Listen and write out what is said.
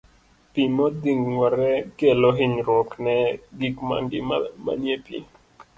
Pi modhing'ore kelo hinyruok ne gik mangima manie pi.